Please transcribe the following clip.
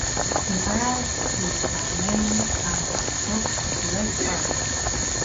He arrived with the mail and cooked breakfast.